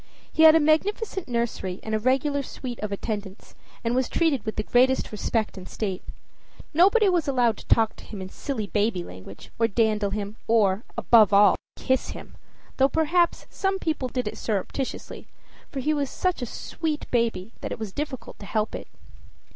He had a magnificent nursery and a regular suite of attendants, and was treated with the greatest respect and state. Nobody was allowed to talk to him in silly baby language, or dandle him, or, above all to kiss him, though perhaps some people did it surreptitiously, for he was such a sweet baby that it was difficult to help it.